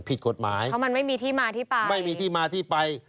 ผิดกฎหมายเพราะมันไม่มีที่มาที่ไป